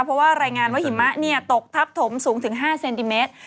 เพราะว่ารายงานว่าหิมะตกทับถมสูงถึง๕เซนติเมตร